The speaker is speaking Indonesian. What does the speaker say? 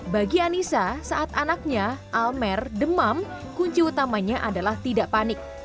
bagi anissa saat anaknya almer demam kunci utamanya adalah tidak panik